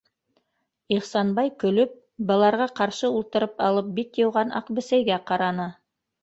- Ихсанбай көлөп, быларға ҡаршы ултырып алып бит йыуған аҡ бесәйгә ҡараны.